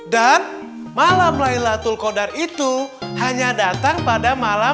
dan malam layla tulkodar itu hanya datang pada malam